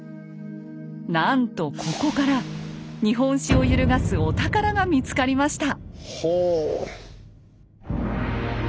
なんとここから日本史を揺るがすお宝が見つかりました。